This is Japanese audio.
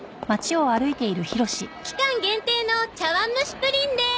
期間限定の茶わんむしプリンです。